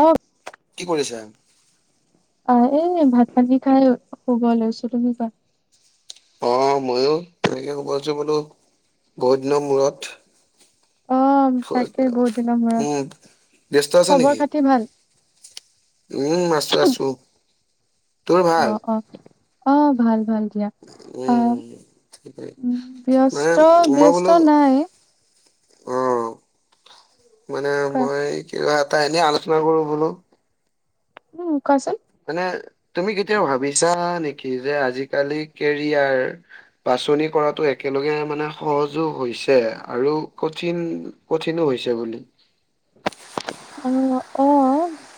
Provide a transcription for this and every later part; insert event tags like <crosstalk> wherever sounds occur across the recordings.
অ কি কৰিছা আহ এই ভাত পানী খাই শুব লৈছো তুমি কোৱা অ ময়ো তেনেকে শুব লৈছো বোলো বহুত দিনৰ মূৰত অ', তাকে বহুত দিনৰ মূৰত উম ব্যস্ত আছা খবৰ নেকি খাতি ভাল? উম আছো আছো তোৰ অ ভাল? অ অ ভাল ভাল দিয়া অ উম উম মানে ব্যস্ত মই ব্যস্ত বোলো নাই অ মানে কোৱা মই কিবা এটা এনে আলোচনা কৰো বোলো উম কোৱাচোন মানে তুমি কেতিয়াবা ভাবিছা নেকি যে আজিকালি কেৰিয়াৰ বাচনি কৰাটো একেলগে মানে সহজো হৈছে আৰু কঠিন কঠিনো হৈছে বুলি অ অ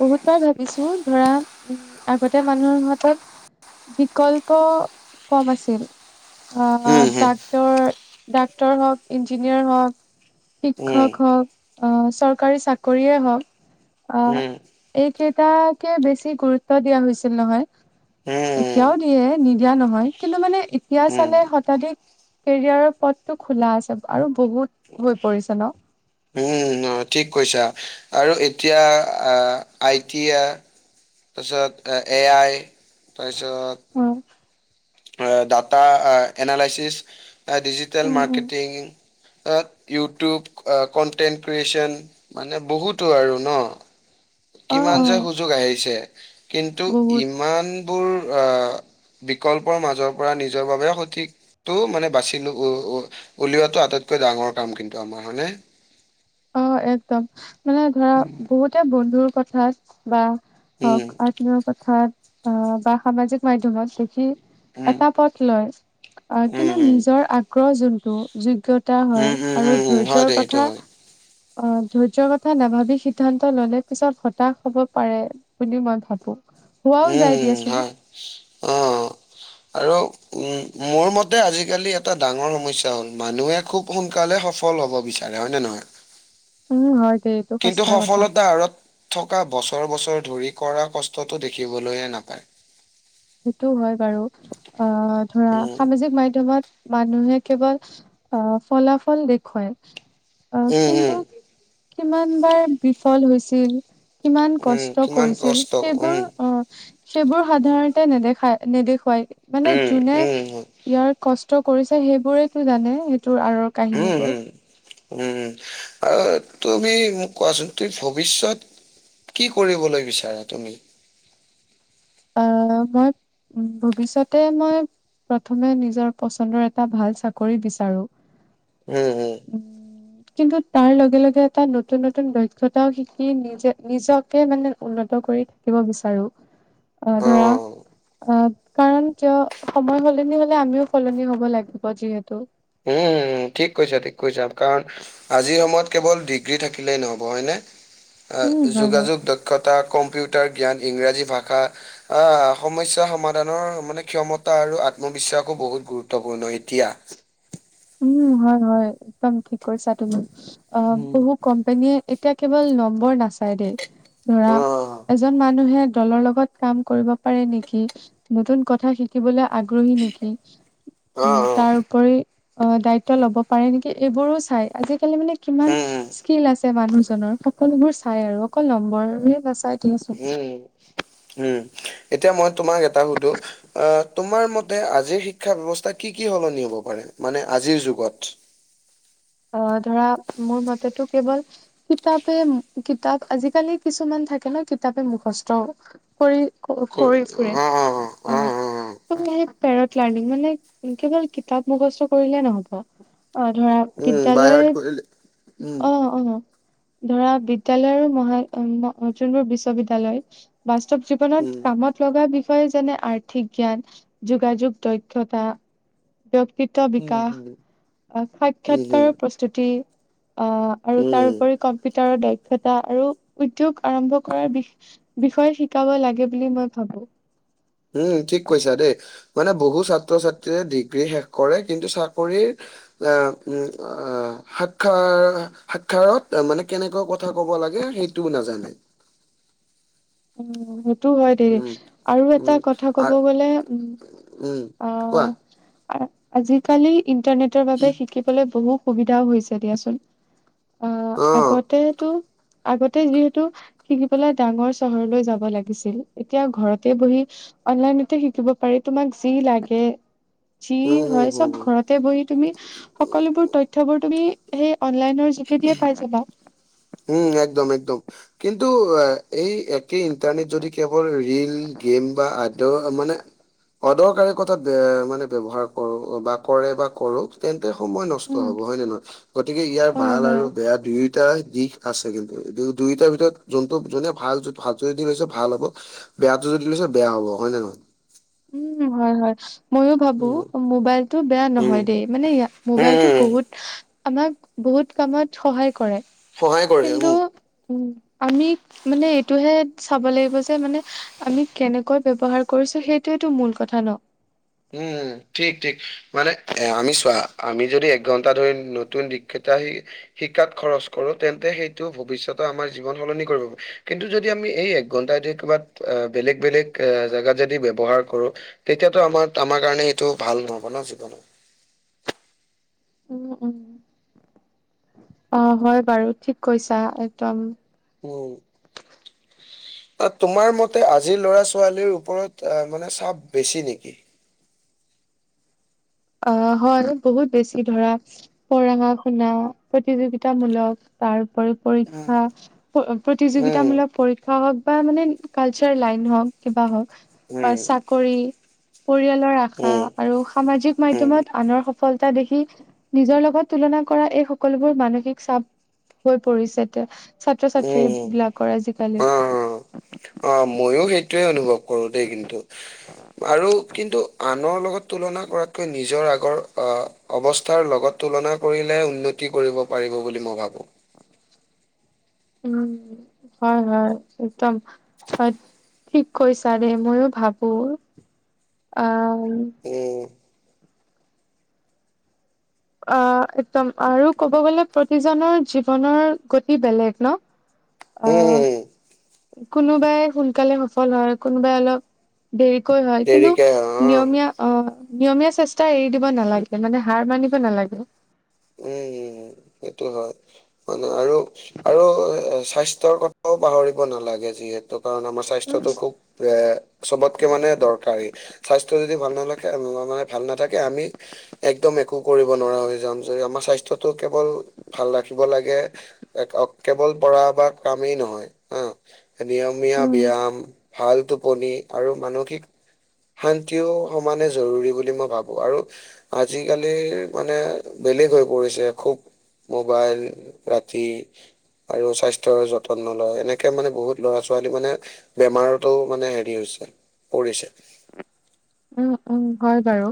বহুত বাৰ ভাবিছো ধৰা উম আগতে মানুহৰ হাতত বিকল্প কম আছিল, আহ উম হম তাক তোৰ ডাক্তৰ হওক, ইঞ্জিনিয়াৰ হওঁক উম শিক্ষক হওক, অ' চৰকাৰী চাকৰিয়ে হওক আ উম এইকেইটাকে বেছি গুৰুত্ব দিয়া হৈছিল নহয়। উম এতিয়াও দিয়ে নিদিয়া নহয় কিন্তু মানে এতিয়া উম, চালে শতাধিক কেৰিয়াৰৰ পথটো খোলা আছে, আৰু বহুত হৈ পৰিছে ন' উম উম অ' ঠিক কৈছা, আৰু এতিয়া আ আই টি আ তাৰপিছত এ আই তাৰপিছত উম আ ডাটা এ এনেলাইছিছ ডিজিটেল মাৰ্কেটিং আ ইউটিউব কনটেন্ট ক্ৰিয়েচন মানে বহুতো আৰু ন' অ কিমান অ যে সুযোগ আহিছে, কিন্তু বহুত ইমানবোৰ আ বিকল্পৰ মাজৰ পৰা নিজৰ বাবে সঠিক টো মানে বাচি উ উলিওৱাটো আটাইতকৈ ডাঙৰ কাম কিন্তু আমাৰ হয়নে। অ' একদম মানে ধৰা বহুতে বন্ধুৰ কথাত বা উম, ধৰক আত্মীয়ৰ কথাত আ বা সামাজিক মাধ্যমত দেখি উম, এটা পথ লয়, আ উম, কিন্তু উম। নিজৰ আগ্ৰহ যোনটো যোগ্যতা হয়, উম, উম, আৰু উম, উম, হয় ধৈৰ্যৰ দে সেইটো কথা হয়। অ' ধৈয্য কথা নাভাবি সিদ্ধান্ত ললে পিছত হতাশ হ'ব পাৰে। বুলি মই ভাবো হোৱাও উম, যায় উম, দিয়াচোন। হয়। অ' আৰু উম, মোৰ মতে আজিকালি এটা ডাঙৰ সমস্যা হ'ল মানুহে খুব সোনকালে সফল হ'ব বিচাৰে। বিচাৰে হয় নে নহয় উম, হয় দেই এইটো কিন্তু, সঁচা কথা সফলতাৰ আৰত থকা বছৰ বছৰ ধৰি কৰা কষ্টটো দেখিবলৈয়ে নাপায়। সেইটো হয় বাৰু অ' ধৰা উম, সামাজিক মাধ্যমত মানুহে কেৱল আ ফলাফল দেখুৱায়। আহ, উম, উম, কিন্তু কিমান বাৰ বিফল হৈছিল। কিমান উম, কষ্ট কিমান কৰিছিল কষ্ট উম, সেইবোৰ আহ সেইবোৰ সাধাৰণতে নেদেখাই, নেদেখুৱায় মানে উম, যোনে উম, হয়। ইয়াৰ কষ্ট কৰিছে সেইবোৰেতো জানে সেইটোৰ আঁৰৰ উম, কাহিনীবোৰ। উম, উম, আৰু তুমি মোক কোৱাচোন তুমি ভৱিষ্যত কি কৰিবলৈ বিচাৰা তুমি? আহ, মই ভৱিষ্যতে মই প্ৰথমে নিজৰ পচন্দৰ এটা ভাল চাকৰি বিচাৰো। উম, উম। কিন্তু তাৰ লগে লগে এটা নতুন নতুন দক্ষতাও শিকি নিজে নিজকে মানে উন্নত কৰি থাকিব বিচাৰো। অ', ধৰা অ', কাৰণ কিয় সময় সলনি হলে আমিও সলনি হব লাগিব যিহেতু। উম, ঠিক কৈছা, ঠিক কৈছা কাৰণ আজিৰ সময়ত কেৱল ডিগ্ৰী থাকিলেই নহ'ব হয়নে, উম হয় হয় যোগাযোগ ক্ষতা, কম্পিউটাৰ জ্ঞান, ইংৰাজী ভাষা আহ, সমস্যা সমাধানৰ মানে ক্ষমতা আৰু আত্মবিশ্বাসো বহুত গুৰুত্বপূৰ্ণ এতিয়া। উম, হয়, হয়, একদম ঠিক কৈছা তুমি অ', বহু কোম্পনীয়ে এতিয়া কেৱল নম্বৰ নাচাই দেই ধৰা অ', এজন মানুহে দলৰ লগত কাম কৰিব পাৰে নেকি, নতুন কথা শিক শিকিবলৈ আগ্ৰহী নেকি উম, অ', অ', তাৰোপৰি অ', দায়িত্ব লব পাৰে নেকি এইবোৰো চাই আজিকালি মানে কিমান উম, স্কিল আছে মানুহজনৰ সকলোবোৰ চাই আৰু অকল নম্বৰেই নাচাই। দিয়াচোন। উম, উম। এতিয়া মই তোমাক এটা সুধো আহ, তোমাৰ মতে আজিৰ শিক্ষ <unintelligible> ব্যৱস্থাৰ কি কি সলনি হ'ব পাৰে, মানে আজিৰ যুগত? অ', ধৰা মোৰ মতেটো কেৱল কিতাপে-কিতাপ আজিকালি কিছুমান থাকে ন কিতাপে মুখস্থও কৰি-কৰি ফুৰে। উম, অ উম। সেই পেৰট লাৰ্নিং মানে কেৱল কিতাপ মুখস্থ কৰিলে নহ'ব। অ', ধৰা উম, বাই হাৰ্ট বিদ্যালয়ত কৰিলে উম, অ', অ'। ধৰা বিদ্যালয় আৰু মহা-মো যোনবোৰ বিশ্ববিদ্যালয় বাস্তৱ জীৱনত উম। কামত লগা বিষ বিষয় যেনে আৰ্থিক জ্ঞান, যোগাযোগ দক্ষতা ব্যক্তিত্ব উম, বিকাশ, হুম, উম, হুম, সাক্ষাৎকাৰৰ প্ৰস্তুতি অ', আৰু উম, তাৰ ওপৰি কম্পিউটাৰৰ দায়ি <unintelligible> আৰু উদ্যোগ আৰম্ভ কৰাৰ বি-বিষয়ে শিকাব লাগে বুলি মই ভাবোঁ। উম, ঠিক কৈছা দেই মানে বহু ছাত্ৰ-ছাত্ৰীয়ে ডিগ্ৰী শেষ কৰে কিন্তু চাকৰিৰ অ', উম, অ', সাক্ষাৰ-সাক্ষাৰত মানে কেনেকুৱা কথা কব লাগে সেই টো নাজানে। উম সেইটো হয় দেই উম, আৰু এটা উম, কথা আ, ক'ব গলে উম উম, কোৱা। আহ আ- আজিকালি ইন্টাৰনেটৰ বাবে শিকিবলৈ বহু সুবিধাও হৈছে দিয়াচোন। অ', অ', আগতেতো আগতে যিহেতু শিকিবলৈ ডাঙৰ চহৰলৈ যাব লাগিছিল এতিয়া ঘৰতে বহি অনলাইনতে শিকিব পাৰি তোমাক যি লাগে যি উম, হুম, হয় হুম, চব হুম। ঘৰতে বহি তুমি সকলোবোৰ তথ্যবোৰ তুমি সেই অনলাইনৰ যোগেদিয়ে পাই যাবা। উম, একদম, একদম। কিন্তু এই একেই ইণ্টাৰনেট যদি কেৱল ৰীল গেম বা আদ মানে অদৰকাৰী কথাত বে মানে ব্যৱহাৰ কৰোঁ বা কৰে বা কৰোঁ তেন্তে সময় নষ্ট উম, হ'ব হয় নে নহয় গতিকে ইয়াৰ অ', ভাল হয়। আৰু বে বেয়া দুয়োটা দিশ আছে কিন্তু দুয়ো-দুয়োটাৰ ভিতৰত যোনটো যোনে ভাল <unintelligible> ভাল হ'ব বেয়াটো যদি লৈছে বেয়া হ'ব হয় নে নহয়? উম, হয়, হয় মইও ভাবো উম, উম, অ'মোবাইল টো বেয়া নহয় দে মানে ইয়া উম, মোবাইলটো উম, বহুত আমাক বহুত কামত সহায় কৰে। সহায় কৰে কিন্তু উম। উম, আমি মানে এইটোহে চাব লাগিব যে মানে আমি কেনেকৈ ব্যৱহাৰ কৰিছোঁ সেইটোৱেইটো মূল কথা ন? উম, ঠিক, ঠিক। মানে এ আমি চোৱা আমি যদি একঘন্টা ধৰি নতুন দিশকেইটা আহি শিকাত খৰচ কৰোঁ তেন্তে সেইটো ভৱিষ্যতত আমাৰ জীৱন সলনি কৰিব কিন্তু যদি আমি এই একঘন্টা যদি কবাত অ'বেলেগ, বেলেগ এ, জেগাত যদি ব্যৱহাৰ কৰোঁ তেতিয়াতো আমাৰ-আমাৰ কাৰণে এইটো ভাল নহ'ব ন' জীৱনত। উম, উম। অ'হয় বাৰু ঠিক কৈছা একদম। উম, অ'তোমাৰ মতে আজিৰ লৰা-ছোৱালীৰ ওপৰত আহ, মানে চাপ বেছি নেকি? অ' হয় বহুত বেছি ধৰা পৰাঙা শুনা প্ৰতিযোগিতামূলক তাৰ ওপৰিও উম, পৰীক্ষা <unintelligible> উম, প্ৰতিযোগিতামূলক পৰীক্ষ শিক্ষা হওক বা মানে কালচাৰ লাইন হওক কিবা হওক আ চাকৰি পৰিয়ালৰ আশা উম, আৰু সামাজিক উম, মাধ্যমত আনৰ সফলতা দেখি নিজৰ লগত তুলনা কৰা এই সকলোবোৰ মানসিক চাপ হৈ পৰিছে তে ছাত্ৰ-ছাত্ৰী উম, উম, বিলাকৰ আজিকালি অ', অ' ময়ো সেইটোৱে অনুভৱ কৰো দেই কিন্তু আৰু কিন্তু আনৰ লগত তুলনা কৰাতকৈ নিজৰ আগৰ আহ, অৱস্থাৰ লগত তুলনা কৰিলে উন্নতি কৰিব পাৰিব বুলি মই ভাবো। উম, হয়, হয় একদম সচ ঠিক কৈছা দেই ময়ো ভাবো আ, উম, এ, অ' একদম আৰু ক'ব গ'লে প্ৰতিজনৰ জীৱনৰ গতি বেলেগ ন? <inaudible> আহ, কোনোবাই সোনকালে সফল হয় কোনোবাই অলপ দেৰিকৈ হয়, কিন্তু দেৰিকে হয় অ'। নিয়মীয়া অ' নিয়মীয়া চেষ্টা এৰি দিব নালাগে মানে হাৰ মানিব নালাগে। উম, এইটো হয়। মানে আৰু, আৰু এ স্বাস্থ্যৰ কথাও পাহৰিব নালাগে যিহেতু কাৰণ আমাৰ উম স্বাস্থ্যটো খুব বে চবতকে মানে দৰকাৰী স্বাস্থ্য যদি ভাল নালাখে <unintelligible> মানে ভাল নাথাকে আমি একদম একো কৰিব নোৱাৰা হৈ যাম যে আমাৰ স্বাস্থ্যটো কেৱল ভাল ৰাখিব লাগে একক কেৱল পঢ়া বা কামেই হা নিয়মীয়া উম ব্যায়াম ভাল টোপনি আৰু মানসিক শান্তিও সমানে জৰুৰী বুলি মই ভাবো আৰু আজিকালিৰ মানে বেলেগ হৈ পৰিছে খুব মোবাইল ৰাতি আৰু স্বাস্থ্যৰ যতন নলয় এনেকে মানে বহুত ল'ৰা ছোৱালী মানে বেমাৰতো মানে হেৰি হৈছে পৰিছে। উম উম হয় বাৰু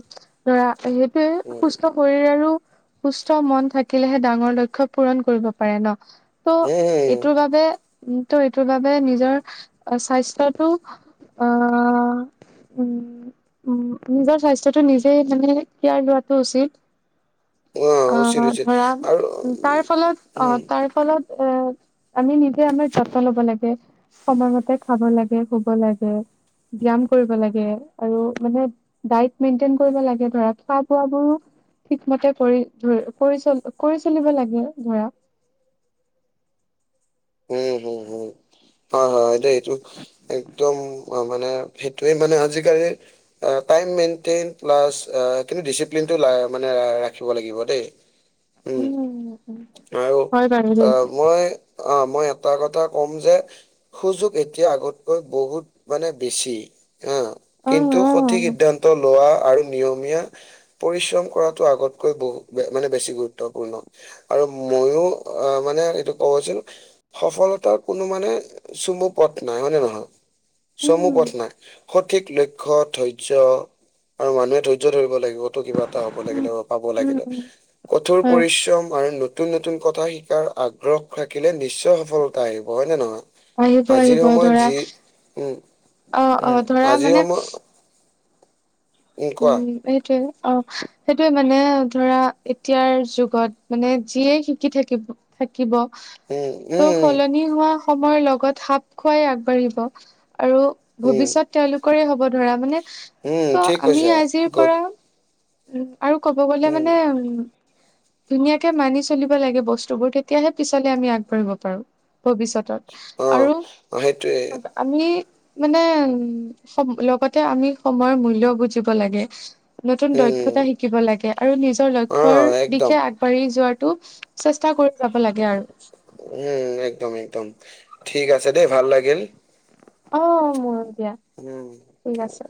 ধৰা সেইটোয়ে উম সুস্থ শৰীৰ আৰু সুস্থ মন থাকিলেহে ডাঙৰ লক্ষ্য পূৰণ কৰিব পাৰি ন। ত' উম এইটোৰ বাবে ত' এইটোৰ বাবে নিজৰ স্বাস্থ্যটো অ উম উম নিজৰ স্বাস্থ্যটো নিজে মানে কেয়াৰ লোৱাটো উচিত। উম অ উচিত উচিত ধৰা আৰু তাৰ ফলত অ উম তাৰ ফলত এ আমি নিজে আমাৰ যত্ন ল'ব লাগে। সময়মতে খাব লাগে শুব লাগে ব্যায়াম কৰিব লাগে আৰু মানে ডাইট মেইনটেইন কৰিব লাগে ধৰা খোৱা বোৱাবোৰো ঠিকমতে কৰি কৰি চলিব লাগে ধৰা। উম হম হম হয় হয় দে এ এইটো। একদম মানে সেইটোৱে মানে আজিকালি আ টাইম মেইনটেইন প্লাছ আ কিন্তু ডিচিপ্লিন টো মানে ৰাখিব লাগিব দেই। <inaudible> উম আৰু হয় বাৰু দে। অ', মই অ মই এটা কথা কম যে সুযোগ এতিয়া আগতকৈ বহুত মানে বেছি। হ অ কিন্তু সঠিক অ সিদ্ধান্ত লোৱা আৰু নিয়মীয়া পৰিশ্ৰম কৰাতটো আগতকৈ বহু মানে বেছি গুৰুত্বপূৰ্ণ। আৰু মইয়ো অ মানে এইটো কব আছিল সফলতাৰ কোনো মানে চমু পথ নাই হয়নে নহয় উম চমু পথ নাই। সঠিক লক্ষ্য ধৈৰ্য্য আৰু মানুহে ধৈৰ্য্য ধৰিব লাগিবতো কিবা। হব উম লাগিলে উম বা পাব লাগিলে উম কঠোৰ হয় পৰিশ্ৰম আৰু নতুন নতুন নতুন কথা শিকাৰ আগ্ৰহ থাকিলে নিশ্চয় সফলতা আহিব হয় নে নে নহয়। আহিব আজি আহিব সময় ধৰা যি উম অ অ উম ধৰা আজি মানে সময় উম এইটোৱে। অ সেইটোৱে মানে ধৰা এতিয়াৰ যুগত মানে যিয়ে শিকি থাকিব। থাকিব উম উম ত সলনি হোৱা সময়ৰ লগত সাপ খোৱাই আগবাঢ়িব আৰু উম উম ভৱিষ্যত তেওঁলোকৰে হ'ব ধৰা মানে উম ত' ঠিক আমি কৈছো আজিৰ গোড। পৰা উম আৰু ক'ব গলে মানে উম ধুনীয়াকে মানি চলিব লাগে বস্তুবোৰ তেতিয়াহে পিছলে আমি আগবাঢ়িব পাৰোঁ। ভৱিষ্যতত অ আৰু অ, সেইটোৱে আমি মানে উম লগতে আমি সময়ৰ মূল্য বুজি লাগে নতুন উম দৈৰ্ঘ্যতা শিকি শিকিব লাগে আৰু নিজৰ অ লক্ষ্যৰ একদম দিশে আগবাঢ়ি যোৱাটো চেষ্টা কৰি যাব লাগে আৰু। উম একদম একদম ঠিক দেই ভাল লাগিল। অ ময়ো দিয়া। উম। ঠিক আছে।